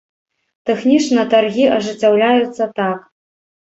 Тэхнічна таргі ажыццяўляюцца так.